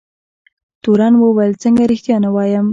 تورن وویل څنګه رښتیا نه وایم.